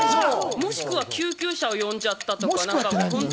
もしくは救急車を呼んじゃったとか。